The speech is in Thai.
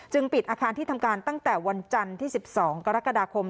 ปิดอาคารที่ทำการตั้งแต่วันจันทร์ที่๑๒กรกฎาคม